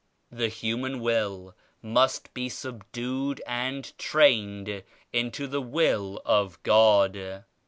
The human will must be subdued and trained into the Will of God.